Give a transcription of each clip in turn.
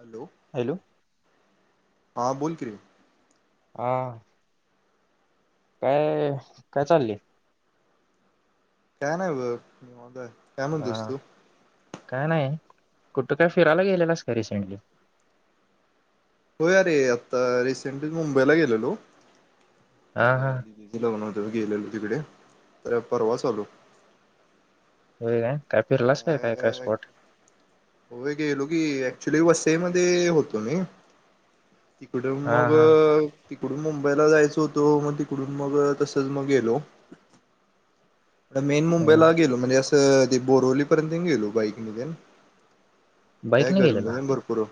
Hello hello हां बोल की रे हा काय काय चाललय. काय नाही बघ निवांत हाय हा काय नाही कुठं काय फिरायला गेलेलास काय रिसेंटली. होय आरे आता रिसेंटली मुंबईला गेलेलो. हा हा ते दीदीच लग्न हो गेलेलो तिकडे तर परवास आलो होय काय. काय फिरलास काय काय काय अ स्पॉट होय गेलो की ऍक्चुली वस मध्ये होतो मी तिकडं हा मग हा तिकडून मुंबईला जायच होतो मग तिकडून मग तसच मग गेलो मेन हम्म मुंबईला गेलो म्हणजे आस त ते बोरवली पर्यंत गेलो बाईकन तेन बाईक ये न गेलेला गर्मी भरपूर ओ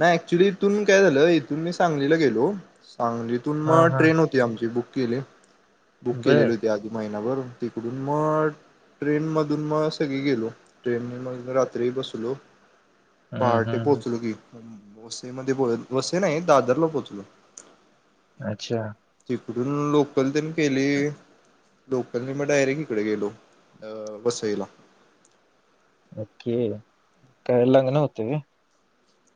नाही ऍक्च्युली इथून काय झालं, इथून मी सांगलीला गेलो सांगलीतून हा मग हा ट्रेन होती, आमची बुक केले बुक बर केलेली होती आधी महि गेल्यावर तिकडून म ट्रेन मध धून म सगळी गेलो ट्रेन मग रात्री बसलो. हम्म पहाटे हम्म हम्म पोचलो की वसइमध्ये [unintelligible] वसइ नाइ, दादरला पोचलो. अच्छा. तीकडून लोकल तेन केली लोकलने मग डायरेक्ट इकडे गेलो अं वसईला. ओके. काय लग्न होत काय?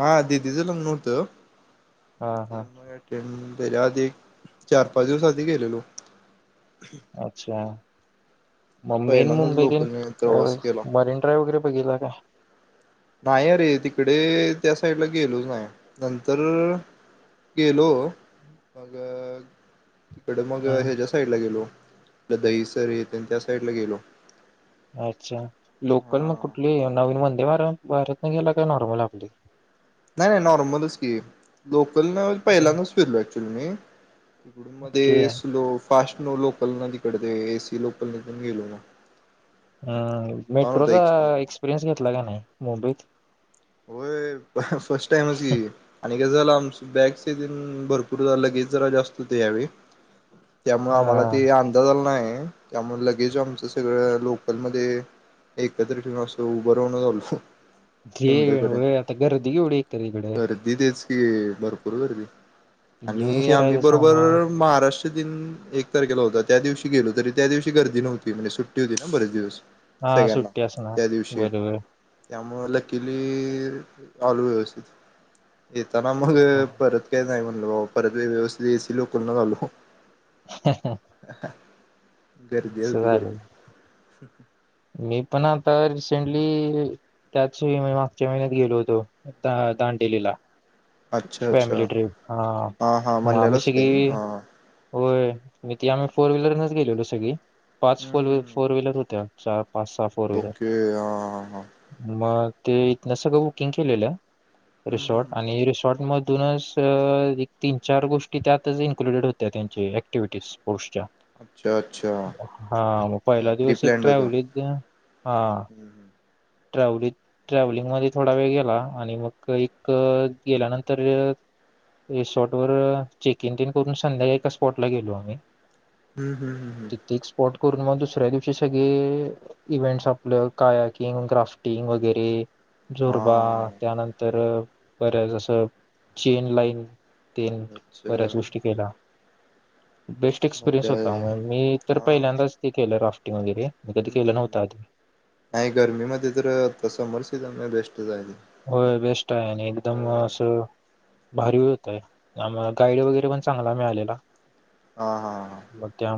हा दीदी च लग्न हुत. हा हा ते म अटेंन तेज्या आधी चार पाच दिवस आधी गेलेलो. अच्छा. [unintelligible] पहिल्यांदाच मरीन लोकलने प्रवास केला ड्राईव्ह वैगरे बघितला काय? नाइ अरे तिकडे त्या साईडला गेलो नाइ नंतर गेलो मग तिकडं मग हम्म हेज्या साईड ला गेलो पल दहिसरे तेन त्या साईडला गेलो. अच्छा लोकल मग हा कुठली नवीन मध [unintelligible] वाऱ्यात नं गेला काय नॉर्मल आपली. नाइ नाइ नॉर्मलच कि लोक लोकलन पहिल्यां दाच फिरलोय. तुम्ही. तिकडून मध्ये ओके स्लोप फास्ट न लोकल न तिकडं ते एसी लोकल तेन गेलो ना. अ मेट्रोचा एक्सपिरियन्स घेतला का नाइ मुंबईत. होय फर्स्ट टाईमच की आणि झाल आमचं बॅग च तेन भरपूर लगेज जरा जास्त होत यावेळी. त्यामुळे हा आम्हाला ते अंदाज आला नाइ. त्यामुळे लगेज आमच सगळं लोकल मध्ये एकत्र ठेवून असं उभ राहून च आलो. घे मुंबईपर्यंत. व्हय आता गर्दी केवढी इत्या तिकड. ते भरपूर गर्दी घेऊन आणि आम्ही फिरायचं बरोबर सामान महाराष्ट्र दिन एक तारखेला होता त्या दिवशी गेलो तरी त्या दिवशी गर्दी नव्हती म्हणे सुट्टी होती ना बरेच दिवस. हा सुट्टी असनार बरोबर. त्यामुळ. लगेच आलो व्यवस्थित. येताना मग हा, परत काही नाही म्हटल म परत व्यवस्थित एसी लोकलच आलो. ह [inaudible] गर्दी होती गर्दी. मी पण आता रिसेंटली त्याच मागच्या महिन्यात गेलो होतो आता दांडेलीला. अच्छा अच्छा फॅमिली ट्रिप हा आम्ही म्हणलेलाच काय सगळी हा होय मी ते आम्ही फोर व्हीलरनच गेलेलो सगळे. पाच हम्म फोर हम्म हम्म फोर व्हीलर होत्या. चार. पाच सहा फोर व्हीलर ओके आ हा. मग ते इथनं सगळं बुकिंग केलेलं. हम्म हम्म रिसॉर्ट हम्म. आणि रिस्.. मधूनच एक तीन चार गोष्टी त्यातच इन्क्लुडेड होत्या त्यांची ऍक्टिव्हिटीज. अच्छा अच्छा हा मग पहिला प्री दिवस एक प्लॅन्ड होतं ट्रॅव्हलीत गेला हा. हम्म हम्म ट्रॅव्हलि् ट्रॅव्हलिंग मध्ये थोडा वेळ गेला आणि मग एक गेल्यानंतर रिसॉर्ट वर चेकिंग तेन करून संध्याकाळी एका स्पॉट ला गेलो आम्ही. हम्म हम्म हम्म हम्म. पूर्ण मग दुसऱ्या दिवशी सगळे इव्हेंटस आपलं काय इन क्राफ्टिंग वगैरे. जोरबा हा त्यानंतर परत असं चेन लाईन. तेन अच्छा बऱ्याच गोष्टी केल्या. बेस्ट एक्सपिरियन्स मज्जा होता, आहे मग मी तर हा पहिल्यांदाच हे केलं राफ्टिंग. वगैरे, मी कधी केल नव्हता आधी. ही तर आता समर सीजन हाय बेस्ट. जाईल होय बेस्ट आहे आणि अ एकदमं असं भारी भी होत. आम्हाला गाईड वगैरे पण चांगला मिळालेला. हा हा हा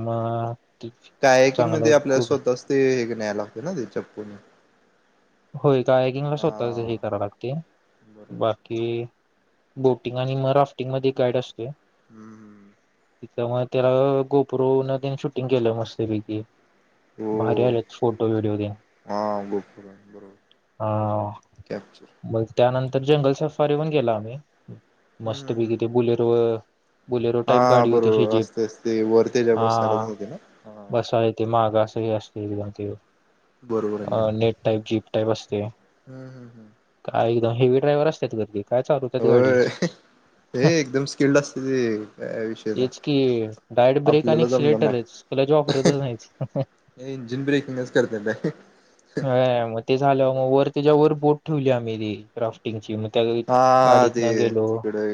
[inaudible] डायटिंग चांगलं मध्ये आपल्याला खूप स्वतःच ते हे नाही लागते ना ते जपून होय डायटिंग मला स्वतःच हे कराव लागते, बरोबर बाकी बोटिंग आणि म राफ्टिंग मध्ये एक गाईड असते. हम्म त्यामुळे त्याला गोपरूला त्याने शूटिंग केलं मस्तपैकी. हो भारी आलेत फोटो व्हडिओ ते. हा गोपुर बरोबर हा कॅप्चर मग त्यानं तर जंगल सफारीहुन गेला आम्ही. हम्म मस्त हम्म पैकी हम्म त्या बुलेटवर हा बरोबर असते असते वरती हा व्यवस्था नाही केला हा सगळे असलीच राहत्यात बरोबर आहे अ नेट टाईपची बसत्या ते हम्म हम्म हम्म काय एकदा हेवी ड्रायवर असतात तर ते होय हे एकदम स्किल्ड असते ते काय विषयच नाही तेच की डायरेक्ट ब्रेक आणि आपल्याला जमणार एक्सिलेटरच क्लच नाही वापरतच नाहीत इंजिन ब्रेकिंगच करते व्हय मग ते झालं मग वर त्याच्या वर बोट तुझ्या मेरी राॅऊस्टिंग हा ते तिकडे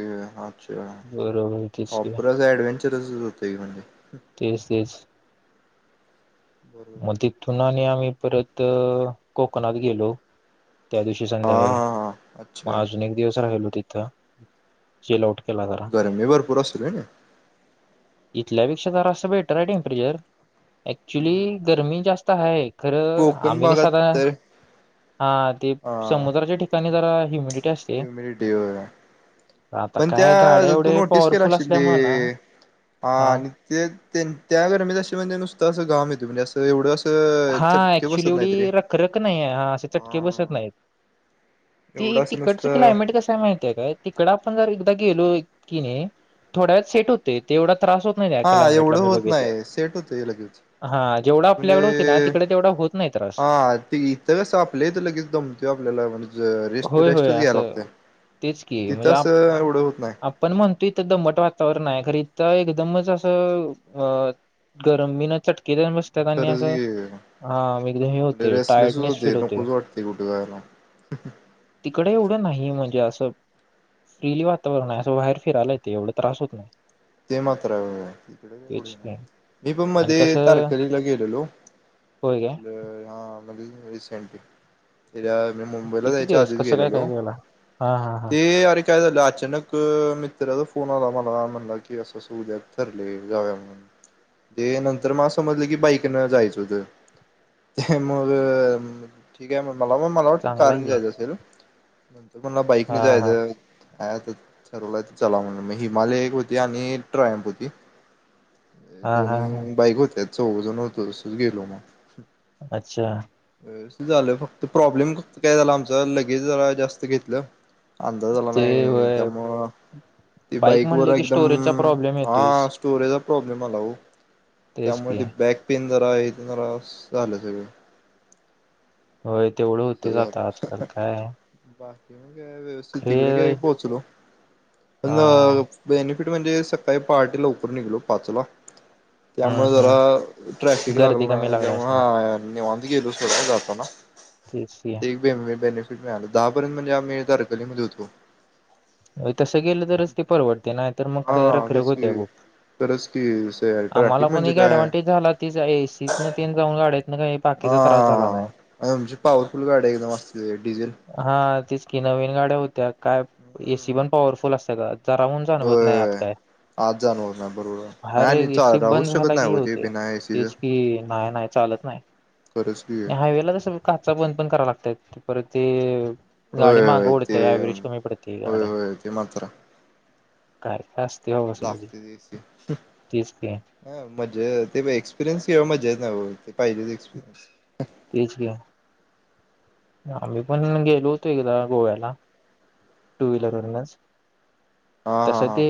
अच्छा बरोबर तेच की वापर ऍडव्हेंचरस होत म्हणजे तेच तेच बरोबर मग आहे. तिथून आणि आम्ही परत कोकणात गेलो त्या दिवशी हा संध्याकाळी हा हा मग अच्छा अजून एक दिवस राहिलो तिथे जेलाऊट गर्मी भरपूर असत्या का नाही ह्यापेक्षा जरा बेटर आहे टेंपरेचर ऍक्चुली नी गरमी जास्त ते तर आहे खरं कोकण आम्ही तर भागात सकाळी हा ते समुद्राच्या ठिकाणी जरा आहे ह्युमिनिटी होय आता पण त्या काय गाड्या हेच्यातून एवढे नोटीस केला पॉवरफुल असशील असल्यामुळे ना ते हा आणि ते त्या गर्मीत म्हणजे नुसतं अस म्हणजे असं एवढं असं हा चटके ऍक्च्युली बसत नाहीत रे एवढी रखरख नाही आहे हा असे चटके बसत नाहीत ती एवढं असं तिकडच नुसतं क्लायमेट कस आहे माहिती आहे काय, तिकड आपण जर गेलो किणी थोड्या वेळात सेट होते तेवढ त्रास होत नाही काय हा क्लायमेटला एवढं होत बघितल्यावर, नाही सेट हा जेवढ आपल्याकड ते हा ते इथ कस आपल्या इथ लगेच दमतय आपल्याला म्हणजे रेस्ट होय होय रेस्टच घ्याय लागतोय असं तेच की तिथं म्हणजे आप- असं एवढं होत नाय. आपण म्हणतो इथं दमट वातावरण आहे खरं एकदमच असं अ गरमी न चट किरण बसत्यात आणि खरंच असं की हा एकदम हे म्हणजे होते रेस्टलेसच टायर्टनेस फील होते होतोय, नकोच वाटते कुठे जायला तिकड असं नाहीये एवढं नाहीये म्हणजे असं फ्रीली वातावरण आहे असं बाहेर फिरायला येत एवढं त्रास होत नाही. ते मात्र हाय हिकडं एवढ नई, तेच नाही होय मी पण आणि मध्ये कसं तारकर्लीला गेलेलो. होय काय आपल हा. रिसेंटली. यार मी मुंबईला किती जायच्या दिवस आधीच कसं काय काय गेलालो, केला हा हा हा ते अरे काय झालं अचानक मित्र कोणाला मला [unintelligible] अस अस उद्या ठरलय जाऊया म्हणून, ते नंतर मला असं समजलं की बाईकनं जायचं होत. ते मग ठीके म मला म मला वटल चांगला आहे कारन की जायचं असेल. [unintelligible] [inaudible] मला हा बाईकने हा जायच. आता ठरवलाय चला मनून मी हिमालय यानी ट्रमपुती. हा हा हा दोन बाईक होत्या. चौघंजण होतो तसच गेलो मग. अच्छा. झालं फक्त प्रॉब्लेम फक्त काय झाला आमचा लगेज जरा जास्त घेतलं. अंदाज आला ते नाइ होय त्यामुळं ती बाईक वर म्हणले की स्टोरेजचा हम्म प्रॉब्लेम हा येतोयस स्टोरे [unintelligible] प्रोब्लेम आला ओ. तेच त्यामुळे की ते बॅक पेन जरा आहे [unintelligible] झालं सगळं व्हय. तेवढं असं होतील आाता आजकाल काय का व्यवस्थित तिकडे काय खरे पोचलो. [unintelligible] [unintelligible] हा ट म्हणजे सकाळी पहाटे लवकर निघलो पाचला. हम्म त्यामुळं हम्म जरा ट्रॅफिक गर्दी लागलं कमी ना लागली त्यामुळं असणार हा निवांत गेलो सोड जाताना तेच की ते बे मी [unintelligible] [unintelligible] दापर्यंत म्हणजे आमी तारकलीमधे होतो. तसं गेलं तरच ते परवडते. नाइ तर मग हा रखरख तेच होत्या की बघ. खरंच की आम्हाला ट्रॅफिक पण म्हणजे एक काय ऍडव्हनटेज झाला तीजा ए सी तण तेन जाऊन गाड्या हाईत हा आमची पावरफुल गाडी एकदम असली डिजेल हा तेच की नवीन गाड्या होत्या काय ए सी पण पॉवरफुल अस रात जराउन जाणवत नाई आत होय काय, आज जाणवत नाही बरोबर नाही भाहेर आणि एसी राहूच बंद शकत झाला नाही की हे हो ते होतंय. बिना एसीच तेच कि नाय नाय चालत नाही. खरंच की हायवेला कसं काचा बंद पण करा लागत्यात. परत ते गाडी होय मागं होय ते उडत्या. व्हायब्रेशन होई पडत होय होय ते म्हातार काय तास लागते दिवशी तेच की ह मजा ते एक्सपिरियन्स कींवा मजा येत नाही बघा ते पाहिजेच एक्सपिरियन्स तेच घ्या आम्ही पण गेलो होतो एकदा गोव्याला. टू हम्म हम्म व्हीलरवरनच हम् हा तस हा हा ते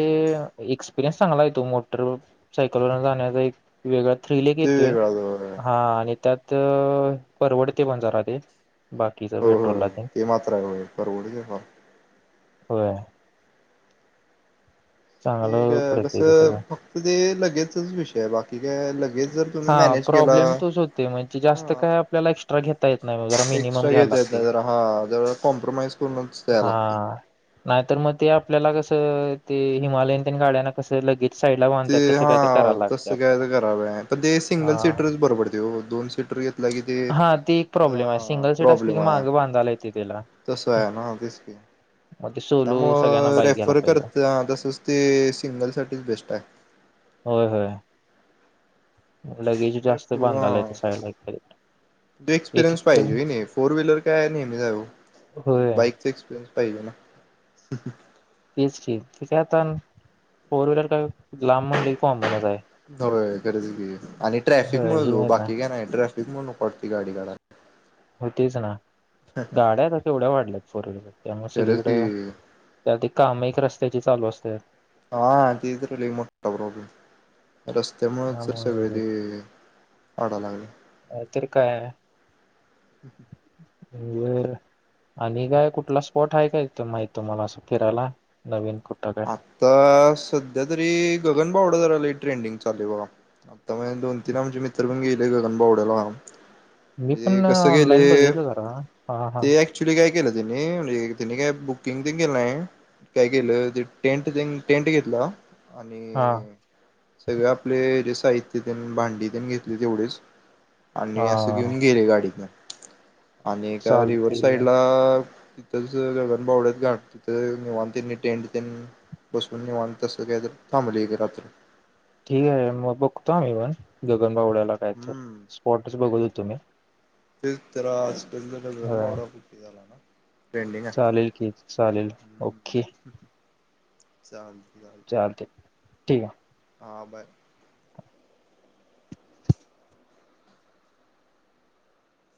एक्स ल्यास चागलाय तो मोटर व सायकलवर जाण्याचा एक वेगळा थ्री लेक ते येतोय वेगळा हा आणि त्यात तर परवडते म जारा ते बाकीच हो हो हो पेट्रोलला ते मात्र आहे बघा परवडीयल होय ते चांगलं पडतय ते कसं सगळं फक्त ते लगेचच विषय बा ठीक आहे लगेच जर तुम्ही हा मॅनेज केला प्रॉब्लेम तोच होतोय म्हणजे जास्त हा काय आपल्याला एक्स्ट्रा घेता येत नाही बघा. जरा मिनिमम एक्स्ट्रा घ्या घेता येत लागते. नाही जरा हा जरा कॉम्प्रोमाइज करूनच द्याय लागते हा नाहीतर मग ते आपल्याला कसं ते हिमालयन गाड्यांना ते कसं लगे ते हां तसं काय तर करावें ते सिंगल हा सीटरच परवडते हो. दोन सीटर घेतला की ते हा ते एक अ प्रॉब्लेम आहे सिंगल सीट असली प्रॉब्लेम की हाय. मागं बांधायला येते त्याला तसं हाय हा तेच कि मग ते सोलो सगळ्यांना त्यामुळं बाईक घ्यायला रेफर पाहिजे करत तसच ते सिंगल साठीच बेस्ट हाय. होय होय लगेज जास्त बांधाला येत साईडला एकडे [inaudible] पाहिजे होय ना ठीकयातान फोर व्हीलर काय हो हो खरंच की आणि ट्रॅफिक होय मुळच हे हो नाही ना बाकी काय नाही ट्रॅफी मगं नको वाटती गाडी काढायला. होय तेच ना गाड्या आता केवढ्या वाढल्यात फोर व्हीलर त्यामुळे खरंच की सगळीकडे त्या काम एक रस्त्या ते चालू असते. हा ते तर लयी मोठा प्रॉब्लेम रस्त्यामुळेच सगळं त्यामुळे ते वाडा लागलायं नाही तर काय [unintelligible] [inaudible] आता सध्या तरी गगन बावडा जरा लय ट्रेंडिंग चालूय बघा. त्यामुळे दोन तिन आमची मित्र पण गेलती- आणि गगन बावडयाला मी पण ऑनलाईन बघितलं जरा हा हा के तिनि म्हणजे तेने काय बुकिंग तेन केलंय काय केलं टेंट, टेंट घेरलं? आणि, हा सगळे आपले जे साहित्य तेन भांडी तेन घेतले तेवढेच आणि असं हा घेऊन गेले गाडीतून आणि का रिव्हर चालतंय साईडला [unintelligible] तेन बसून निवांन तसं काय तर थांबली एक ठीक आहे मगं बघतो आम्ही पण गगन बावडयला काय तर हम्म स्पॉटच बघत होतो मी [unintelligible] होय [unintelligible] ट्रेंडिंग आहे. चालेल की चालेल ओके [inaudible] चालतयं ठीक आहे. हा बरं,